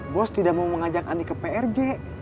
bos tidak mau mengajak andi ke prj